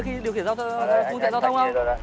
khi điều khiển giao thông